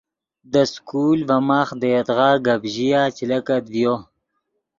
دے سکول ڤے ماخ دے یدغا گپ ژیا چے لکت ڤیو